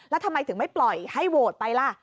แล้วทำไมถึงไม่ปล่อยให้โหวตไปล่ะ